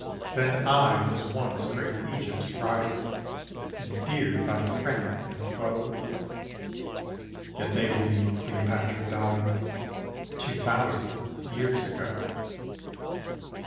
Then I was once great Egypt's pride, And feared by friend and foe, Yet they believe Cleopatra died Two thousand years ago